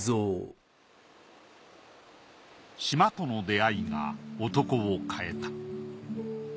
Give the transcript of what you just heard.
島との出会いが男を変えた。